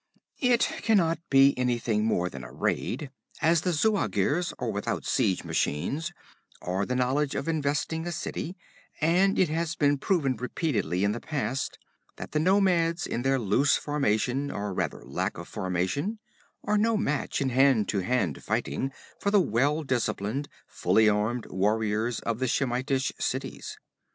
'It can not be anything more than a raid, as the Zuagirs are without siege machines, or the knowledge of investing a city, and it has been proven repeatedly in the past that the nomads in their loose formation, or rather lack of formation, are no match in hand to hand fighting for the well disciplined, fully armed warriors of the Shemitish cities.